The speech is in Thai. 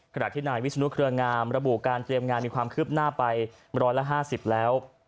ขณะที่นายวิศนุเครืองามระบุการเตรียมงานมีความคืบหน้าไป๑๕๐แล้ว